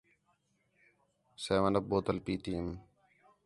سیون اَپ بوتل پیتی ایم